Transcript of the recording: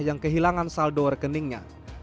yang kehilangan saldo rekeningnya